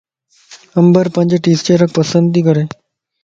عمبر پانجي ٽيچرک پسنڌ تي ڪري